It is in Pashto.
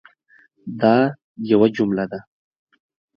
دا یوه جمله ده